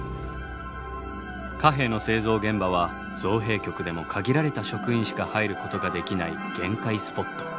貨幣の製造現場は造幣局でも限られた職員しか入ることができない厳戒スポット。